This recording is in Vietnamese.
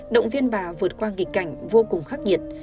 động viên bà vượt qua nghịch cảnh vô cùng khắc nghiệt